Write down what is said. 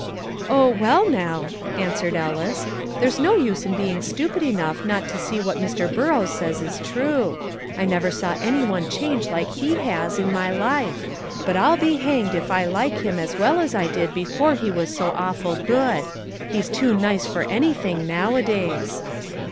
"Oh, well now," answered Ellis, "there's no use in being stupid enough not to see that what Mr. Burrows says is true. I never saw any one change as he has in my life, but I'll be hanged if I like him as well as I did before he was so awful good; he's too nice for anything now a days."